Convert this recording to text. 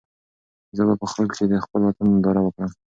زه به په خوب کې د خپل وطن ننداره وکړم.